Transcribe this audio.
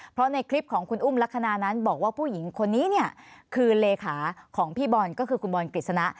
เพราะในคลิปของคุณอุ้มลักษณะนั้นบอกว่าผู้หญิงคนนี้เนี่ยคือเลขาของพี่บอลก็คือคุณบอลกฤษณะ